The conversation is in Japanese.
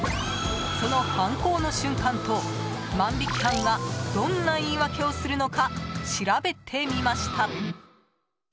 その犯行の瞬間と、万引き犯がどんな言い訳をするのか調べてみました。